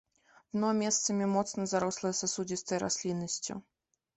Дно месцамі моцна зарослае сасудзістай расліннасцю.